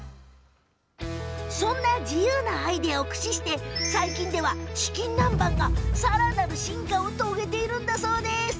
そんな自由なアイデアを駆使して最近では、チキン南蛮がさらなる進化を遂げているんだそうです。